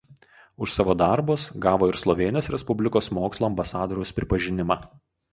Už savo darbus gavo ir Slovėnijos Respublikos mokslo ambasadoriaus pripažinimą.